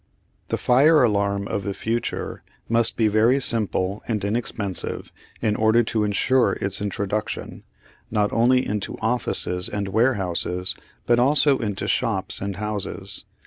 The fire alarm of the future must be very simple and inexpensive in order to ensure its introduction, not only into offices and warehouses but also into shops and houses.